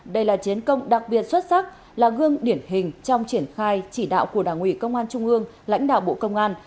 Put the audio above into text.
đây là chiến công đặc biệt xuất sắc là gương điển hình trong triển khai chỉ đạo của đảng ủy công an trung ương lãnh đạo bộ công an